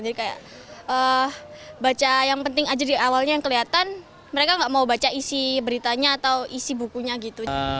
jadi kayak baca yang penting aja di awalnya yang kelihatan mereka nggak mau baca isi beritanya atau isi bukunya gitu